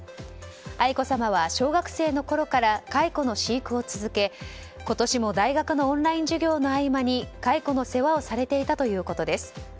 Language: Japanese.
愛子さまは小学生のころから蚕の飼育を続け、今年も大学のオンライン授業の合間に蚕の世話をされていたということです。